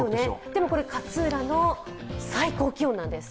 でもこれ勝浦の最高気温なんです。